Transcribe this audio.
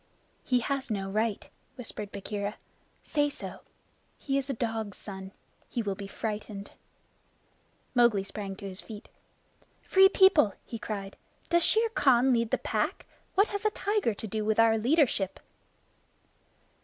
"He has no right," whispered Bagheera. "Say so. He is a dog's son. He will be frightened." Mowgli sprang to his feet. "Free People," he cried, "does Shere Khan lead the Pack? What has a tiger to do with our leadership?"